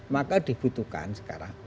maka dibutuhkan sekarang